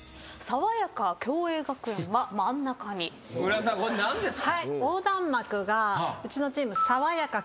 浦田さんこれ何ですか？